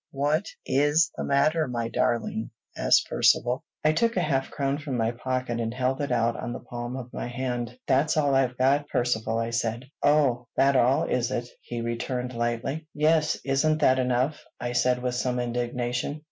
"What is the matter, my darling?" asked Percivale. I took a half crown from my pocket, and held it out on the palm of my hand. "That's all I've got, Percivale," I said. "Oh! that all is it?" he returned lightly. "Yes, isn't that enough?" I said with some indignation.